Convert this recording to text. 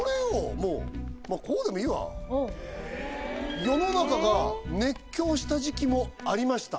もうまあこうでもいいわ世の中が熱狂した時期もありました